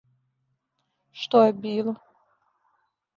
Што је било!